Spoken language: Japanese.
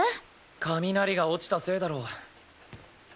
雷が落ちたせいだろ。